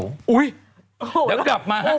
เดี๋ยวก็กลับมา